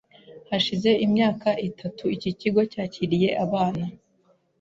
Hashize imyaka itatu iki kigo cyakiriye Abana